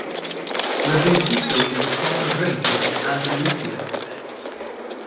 Rebujito is a common drink in Andalusia.